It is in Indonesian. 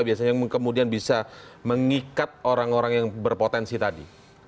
biasanya yang kemudian bisa mengikat orang orang yang berpotensi tadi